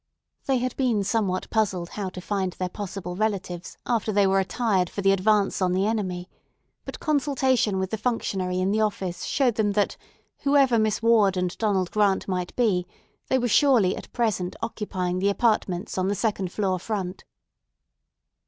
They had been somewhat puzzled how to find their possible relatives after they were attired for the advance on the enemy, but consultation with the functionary in the office showed them that, whoever Miss Ward and Donald Grant might be, they surely were at present occupying the apartments on the second floor front.